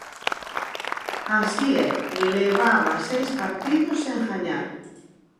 Así é, levaba seis partidos sen gañar.